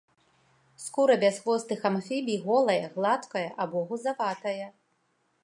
Скура бясхвостых амфібій голая, гладкая або гузаватая.